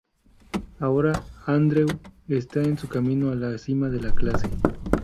Ahora Andreu está en su camino a la cima de la clase.